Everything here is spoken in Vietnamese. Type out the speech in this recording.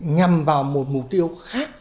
nhằm vào một mục tiêu khác